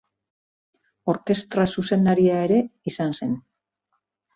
Orkestra zuzendaria ere izan zen.